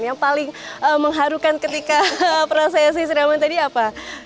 yang paling mengharukan ketika proses istirahat tadi apa